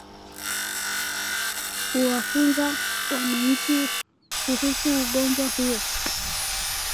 Kuwafunza wananchi kuhusu ugonjwa huo